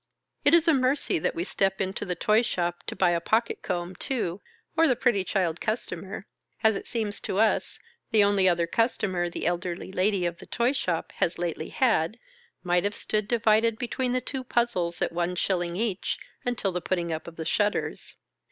It is a mercy that we step into the toy shop to buy a pocket comb too, or the pretty child custamer (as it seems to us, the only other customer the elderly lady of the toy shop has lately had), might have stood divided between the two puzzles at one shilling each^ until the putting up of the shutters.